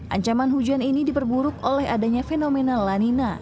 ancaman hujan ini diperburuk oleh adanya fenomena lanina